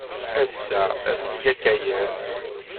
Ass-a, ad neg akayad.